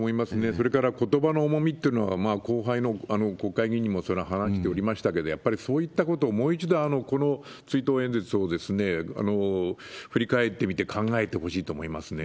それからことばの重みというのは、後輩の国会議員にもそれを話しておりましたけれども、やっぱりそういったことを、もう一度この追悼演説を振り返ってみて考えてほしいと思いますね。